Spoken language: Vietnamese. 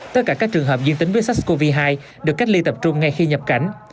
tất cả các trường hợp dương tính với sars cov hai được cách ly tập trung ngay khi nhập cảnh